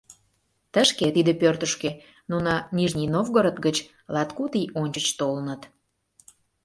Тышке, тиде пӧртышкӧ, нуно Нижний Новгород гыч латкуд ий ончыч толыныт.